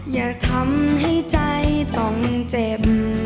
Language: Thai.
อย่าทำให้ใจต้องเจ็บ